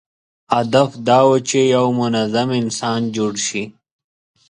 هدف دا و چې یو منظم انسان جوړ شي.